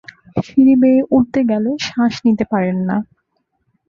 সিঁড়ি বেয়ে উঠতে গেলে শ্বাস নিতে পারেন না।